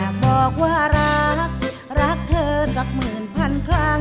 บอกว่ารักรักเธอสักหมื่นพันครั้ง